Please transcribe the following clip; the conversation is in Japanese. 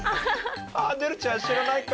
ねるちゃん知らないか。